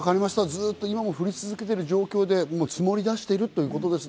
今も降り続けてる状況で、積もり始めているということですね。